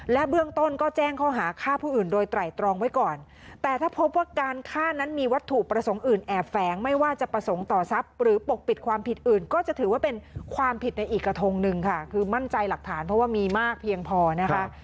และเบื้องต้นก็แจ้งข้อหาฆ่าผู้อื่นโดยไตรตรองไว้ก่อนแต่ถ้าพบว่าการฆ่านั้นมีวัตถุประสงค์อื่นแอบแฝงไม่ว่าจะประสงค์ต่อทรัพย์หรือปกปิดความผิดอื่นก็จะถือว่าเป็นความผิดในอีกกระทงหนึ่งค่ะคือมั่นใจหลักฐานเพราะว่ามีมากเพียงพอนะคะ